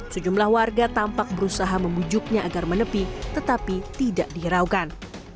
sejumlah warga tampak berusaha membujuknya agar menepi tetapi tidak dihiraukan